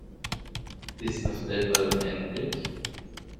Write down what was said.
Ist das Weltall unendlich?